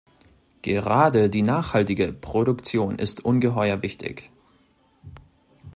Gerade die nachhaltige Produktion ist ungeheuer wichtig.